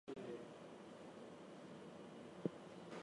The working title for the film was "Bowfinger's Big Thing".